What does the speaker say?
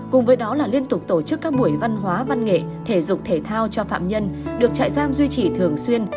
cùng với đó là liên tục tổ chức các buổi văn hóa văn nghệ thể dục thể thao cho phạm nhân được trại giam duy trì thường xuyên